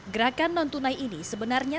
gerakan non tunai ini sebenarnya